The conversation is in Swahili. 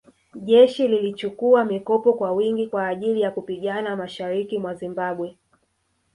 Jeshi lilichukua mikopo kwa wingi kwa ajili ya kupigana mashariki mwa Zimbabwe